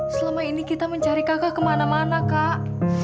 selama ini kita mencari kakak kemana mana kak